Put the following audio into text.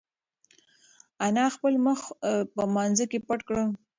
انا خپل مخ په لمانځه کې پټ کړ.